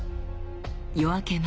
夜明け前